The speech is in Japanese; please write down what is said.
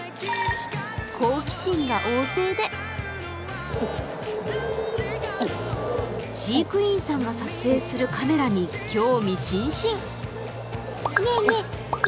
好奇心が旺盛で飼育員さんが撮影するカメラに興味津々。